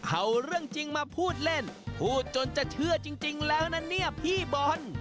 เอาเรื่องจริงมาพูดเล่นพูดจนจะเชื่อจริงแล้วนะเนี่ยพี่บอล